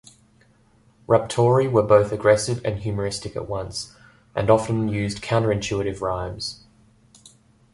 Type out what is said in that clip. Raptori were both aggressive and humoristic at once, and often used counter-intuitive rhymes.